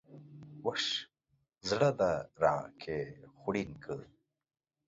وش ﺯړه د راکي خوړين که